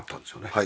はい。